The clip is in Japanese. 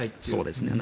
そうですね。